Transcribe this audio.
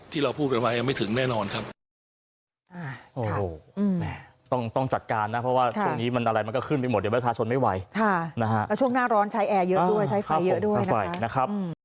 ที่เราพูดกันไว้ยังไม่ถึงแน่นอนครับ